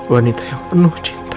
wanita yang penuh cinta